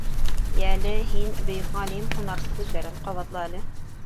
Йә әле, һин, бөйөк ғалим, Һунарсы һүҙҙәрен ҡабатла әле.